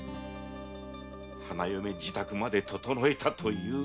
花嫁支度まで整えたというのに！